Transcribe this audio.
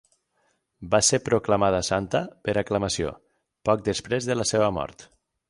Va ser proclamada santa per aclamació, poc després de la seva mort.